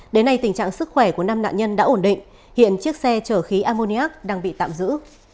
đến nay tình trạng sức khỏe của năm nạn nhân đã ổn định hiện chiếc xe chở khí ammoniac đang bị tạm giữ